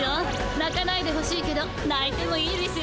なかないでほしいけどないてもいいですよ。